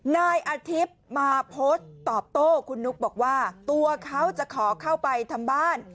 นายอาทิตย์มาโพสต์ตอบโต้คุณนุ๊กบอกว่าตัวเขาจะขอเข้าไปทำบ้าน